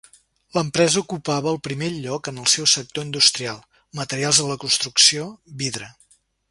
L'empresa ocupava el primer lloc en el seu sector industrial: Materials de la construcció, vidre.